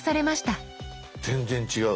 全然違う！